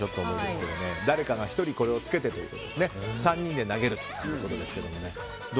誰かが１人これをつけて３人で投げるということです。